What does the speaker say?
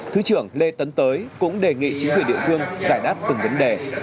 thứ trưởng lê tấn tới cũng đề nghị chính quyền địa phương giải đáp từng vấn đề